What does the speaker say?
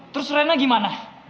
terus rena gimana